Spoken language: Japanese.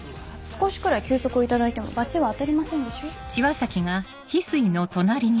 少しくらい休息を頂いても罰は当たりませんでしょ？